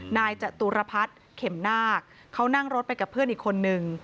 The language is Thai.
นายจตุรพัฒน์เข็มนาคเขานั่งรถไปกับเพื่อนอีกคนนึง